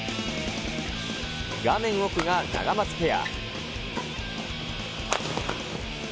画面奥がナガマツペア。